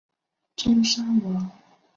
中山王国琉球群岛三山时代的一个国家。